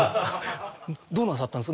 どうなさったんですか？